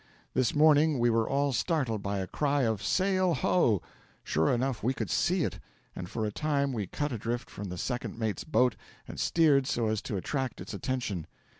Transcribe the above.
This morning we were all startled by a cry of 'SAIL HO!' Sure enough, we could see it! And for a time we cut adrift from the second mate's boat, and steered so as to attract its attention.